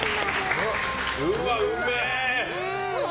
うわ、うめえ！